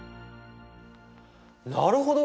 なるほど。